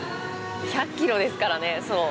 １００ｋｇですからね。